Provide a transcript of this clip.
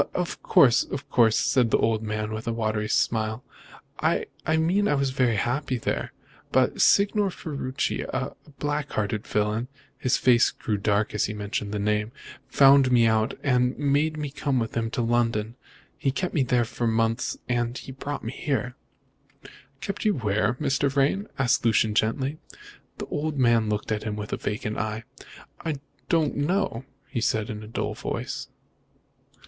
"Of course, of course," said the old man, with a watery smile, "I mean I was very happy there. But Signor Ferruci, a black hearted villain" his face grew dark as he mentioned the name "found me out and made me come with him to London. He kept me there for months, and then he brought me here." "Kept you where, Mr. Vrain?" asked Lucian gently. The old man looked at him with a vacant eye. "I don't know," he said in a dull voice.